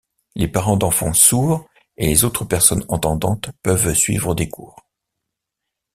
Les parents d'enfants sourds et les autres personnes entendantes peuvent suivre des cours.